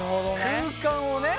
空間をね。